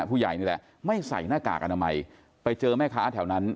ผู้ใหญ่นี่แหละไม่ใส่หน้ากากอนามัยไปเจอแม่ค้าแถวนั้น